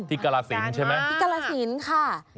ที่กาลสินใช่ไหมที่กาลสินค่ะ